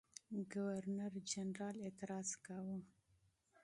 ګورنرجنرال اعتراض کاوه.